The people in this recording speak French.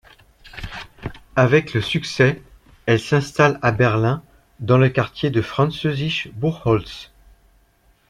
Avec le succès, elle s'installe à Berlin dans le quartier de Französisch Buchholz.